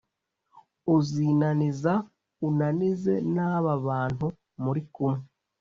Uzinaniza unanize n aba bantu muri kumwe